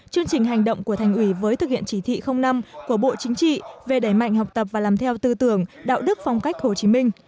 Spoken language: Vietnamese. chương trình hành động của thành ủy với thực hiện chỉ thị năm của bộ chính trị về đẩy mạnh học tập và làm theo tư tưởng đạo đức phong cách hồ chí minh